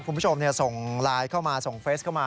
คุณผู้ชมส่งไลน์เข้ามาส่งเฟสเข้ามา